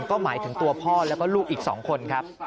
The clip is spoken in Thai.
ก็หมายถึงตัวพ่อแล้วก็ลูกอีก๒คนครับ